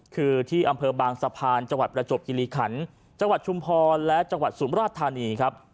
คือที่อำเภอบางสะพานจังหวัดประจบกิริขันจังหวัดชุมพรและจังหวัดสุมราชธานีครับ